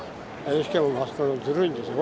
ＮＨＫもマスコミもずるいんですよ。